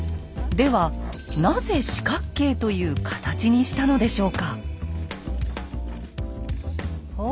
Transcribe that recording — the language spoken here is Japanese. ではなぜ四角形という形にしたのでしょうか？